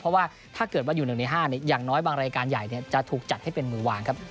เพราะว่าถ้าเกิดว่าอยู่๑ใน๕อย่างน้อยบางรายการใหญ่จะถูกจัดให้เป็นมือวางครับ